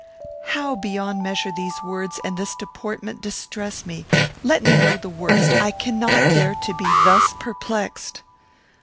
"How beyond measure these words and this deportment distress me! Let me know the worst; I cannot bear to be thus perplexed."